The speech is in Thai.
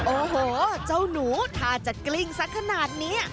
โอ้โหเจ้าหนูถ้าจะกลิ้งสักขนาดนี้